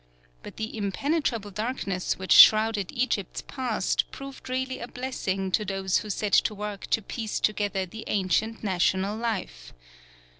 But the impenetrable darkness which shrouded Egypt's past proved really a blessing to those who set to work to piece together the ancient national life.